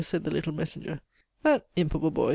said the little messenger. "That imp of a boy!"